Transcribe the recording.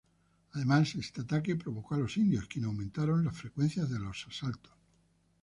Además este ataque provocó a los indios, quienes aumentaron la frecuencia de los asaltos.